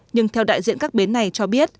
nhưng theo đại diện các bến này cho biết